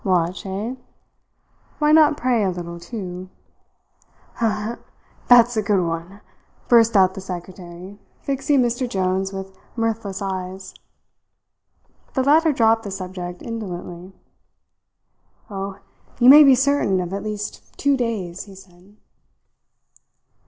Watch, eh? Why not pray a little, too?" "Ha, ha, ha! That's a good one," burst out the secretary, fixing Mr. Jones with mirthless eyes. The latter dropped the subject indolently. "Oh, you may be certain of at least two days," he said.